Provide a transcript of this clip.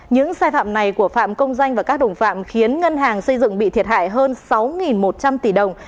những sai phạm này của phạm công danh và các đồng phạm khiến ngân hàng xây dựng bị thiệt hại hơn sáu một trăm linh tỷ đồng